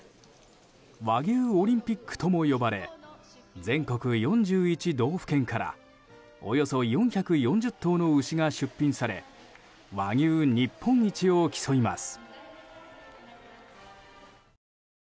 和牛オリンピックとも呼ばれ全国４１道府県からおよそ４４０頭の牛が出品され和牛日本一を競います。